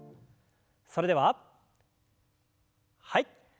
それでははい。